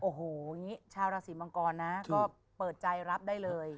โอ้โหอย่างนี้ชาวราศีมังกรนะก็เปิดใจรับได้เลย